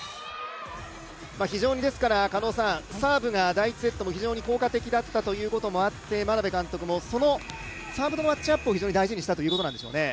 サーブが第１セットも非常に効果的だったということもあって眞鍋監督もサーブ後のマッチアップを大事にしたということですね。